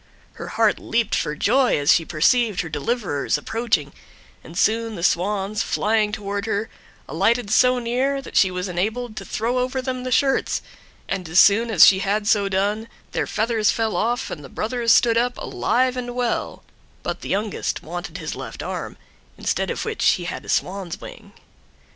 Her heart leaped for joy as she perceived her deliverers approaching, and soon the Swans, flying toward her, alighted so near that she was enabled to throw over them the shirts, and as soon as she had so done their feathers fell off and the brothers stood up alive and well; but the youngest wanted his left arm, instead of which he had a swan's wing.